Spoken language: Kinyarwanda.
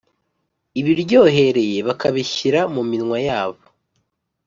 ibiryohereye bakabishyira mu minwa yabo